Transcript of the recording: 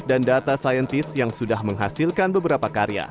dan data scientist yang sudah menghasilkan beberapa karya